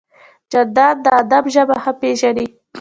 جانداد د ادب ژبه ښه پېژني.